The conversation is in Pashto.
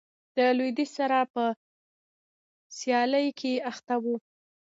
د لوېدیځ سره په سیالۍ کې اخته و.